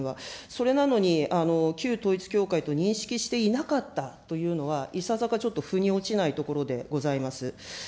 それなのに、旧統一教会と認識していなかったというのは、いささかちょっと腑に落ちないところでございます。